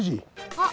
あっ。